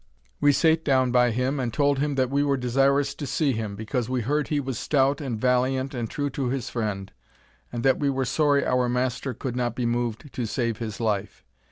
We sate down by him, and told him that we were desirous to see him, because we heard he was stout and valiant, and true to his friend, and that we were sorry our master could not be moved to save his life.